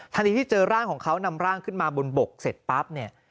ดีที่เจอร่างของเขานำร่างขึ้นมาบนบกเสร็จปั๊บเนี่ย